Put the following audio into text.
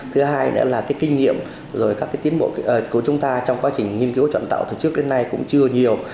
thứ hai là kinh nghiệm rồi các tiến bộ của chúng ta trong quá trình nghiên cứu chọn tạo từ trước đến nay cũng chưa nhiều